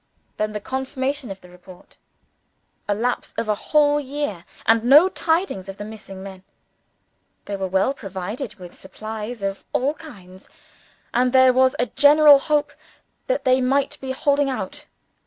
Then, the confirmation of the report a lapse of a whole year, and no tidings of the missing men. They were well provided with supplies of all kinds; and there was a general hope that they might be holding out.